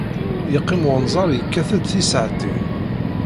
Yeqqim wenẓar yekkat d tisaɛtin.